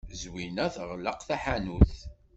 Zwina teɣleq taḥanut.